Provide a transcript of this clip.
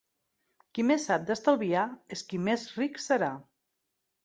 Qui més sap d'estalviar és qui més ric serà.